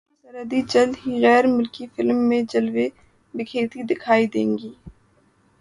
ژالے سرحدی جلد ہی غیر ملکی فلم میں جلوے بکھیرتی دکھائی دیں گی